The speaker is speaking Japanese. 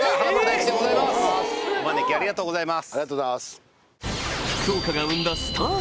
ありがとうございます。